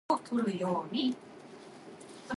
使唔使除衫呀？